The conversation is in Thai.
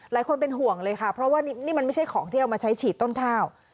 หลายคนเป็นห่วงเลยค่ะเพราะว่านี่มันไม่ใช่ของที่เอามาใช้ฉีดต้นข้าว